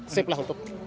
sip lah untuk